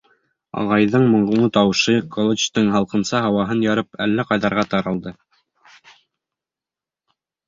Ағайҙың моңло тауышы, Колочтың һалҡынса һауаһын ярып, әллә ҡайҙарға таралды.